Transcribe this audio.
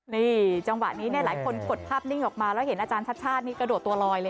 นี่จังหวะนี้เนี่ยหลายคนกดภาพนิ่งออกมาแล้วเห็นอาจารย์ชัดชาตินี่กระโดดตัวลอยเลย